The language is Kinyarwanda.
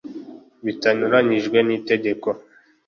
bitanyuranije n itegeko